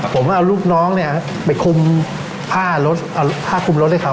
ผมเอาลูกน้องไปคุมผ้าคุมรถด้วยเขา